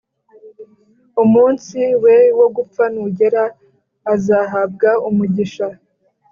umunsi we wo gupfa nugera, azahabwa umugisha